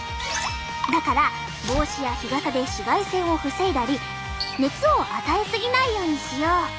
だから帽子や日傘で紫外線を防いだり熱を与えすぎないようにしよう。